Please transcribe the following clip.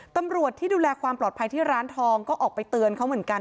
ตำรวจที่ดูแลความปลอดภัยที่ร้านทองก็ออกไปเตือนเขาเหมือนกัน